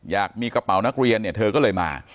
อยากมีกระเป๋านักเรียนเนี่ยเธอก็เลยมา